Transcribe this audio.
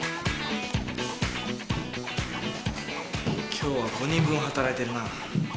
今日は５人分働いてるな。